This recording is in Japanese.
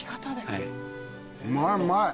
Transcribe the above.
うまいうまい。